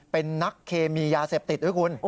เป็นนักเคมียาเสพติด